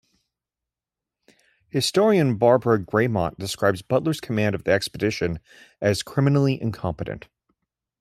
Historian Barbara Graymont describes Butler's command of the expedition as "criminally incompetent".